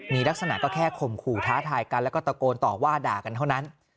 มีลักษณะก็แค่ข่มขู่ท้าทายกันแล้วก็ตะโกนต่อว่าด่ากันเท่านั้น